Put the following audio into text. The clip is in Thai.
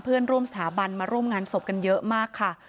เพื่อนร่วมสถาบันมาร่วมงานศพกันเยอะมากค่ะ